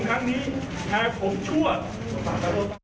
ขอทีวิตทักเป็นแหน่งพันธุ์ขอให้ท่าน